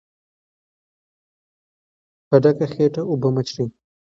په ډکه خېټه اوبه مه څښئ.